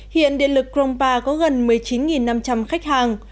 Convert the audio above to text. hiện điện lực krongpa có gần một mươi chín năm trăm linh khách hàng